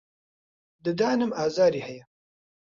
ددانم ئازاری هەیە.